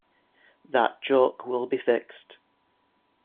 That joke will be fixed.